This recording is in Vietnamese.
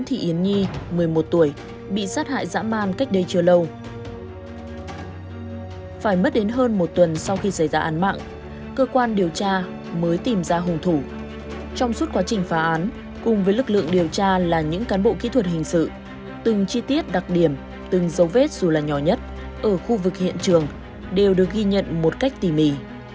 từng chi tiết đặc điểm từng dấu vết dù là nhỏ nhất ở khu vực hiện trường đều được ghi nhận một cách tỉ mỉ